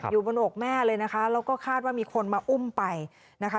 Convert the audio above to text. บนอกแม่เลยนะคะแล้วก็คาดว่ามีคนมาอุ้มไปนะคะ